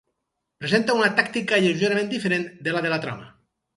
Presenta una tàctica lleugerament diferent de la de la trama.